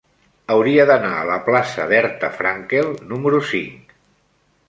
Hauria d'anar a la plaça d'Herta Frankel número cinc.